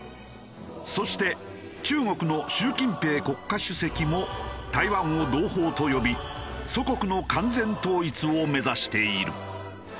そして中国の習近平国家主席も台湾を「同胞」と呼び祖国の完全統一を目指している。